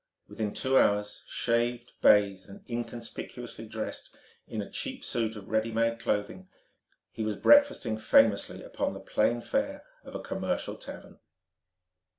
Within two hours, shaved, bathed, and inconspicuously dressed in a cheap suit of ready made clothing, he was breakfasting famously upon the plain fare of a commercial tavern.